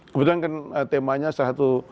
kebetulan kan temanya salah satu